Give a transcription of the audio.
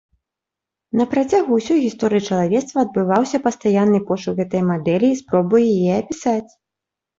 На працягу ўсёй гісторыі чалавецтва адбываўся пастаянны пошук гэтай мадэлі і спробы яе апісаць.